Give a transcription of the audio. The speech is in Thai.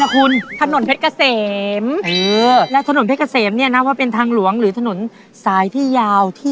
คุยกันแห้วมา